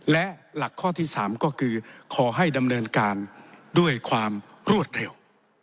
และหลักข้อที่๓ก็คือขอให้ดำเนินการด้วยความรวดเร็ว